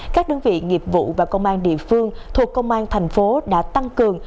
các đơn vị nghiệp vụ và công an địa phương thuộc công an thành phố đã tăng cường